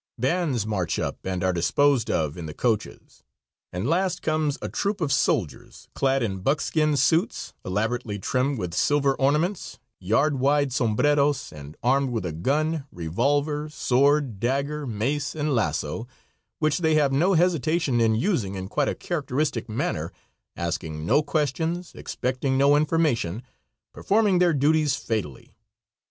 Bands march up and are disposed of in the coaches, and last comes a troop of soldiers, clad in buckskin suits, elaborately trimmed with silver ornaments, yard wide sombreros, and armed with gun, revolver, sword, dagger, mace, and lasso, which they have no hesitation in using in quite a characteristic manner, asking no questions, expecting no information, performing their duties fatally.